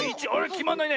きまんないね。